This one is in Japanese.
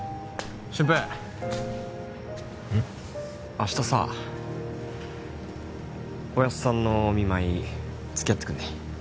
明日さおやっさんのお見舞いつきあってくんねえ？